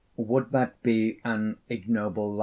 Would that be an ignoble life?'